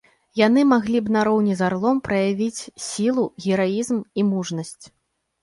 Яны маглі б, нароўні з арлом, праявіць сілу, гераізм і мужнасць.